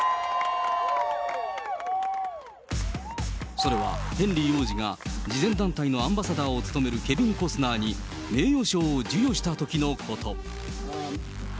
それはヘンリー王子が慈善団体のアンバサダーを務めるケビン・コスナーに名誉賞を授与したときのこと。